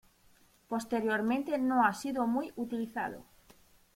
Posteriormente no ha sido muy utilizado.